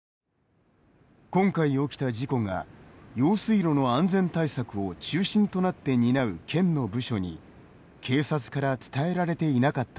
今回起きた事故が用水路の安全対策を中心となって担う県の部署に警察から伝えられていなかったのです。